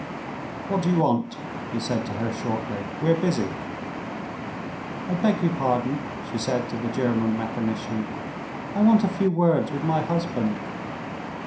"What do you want?" he said to her shortly. "We are busy." "I beg your pardon," she said to the German mechanician; "I want a few words with my husband."